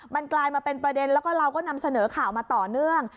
มันกลายมาเป็นประเด็นแล้วก็เราก็นำเสนอข่าวมาต่อเนื่อง